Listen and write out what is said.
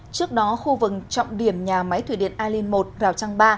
trước đó khu vực trọng điểm nhà máy thủy điện alin một rào trăng ba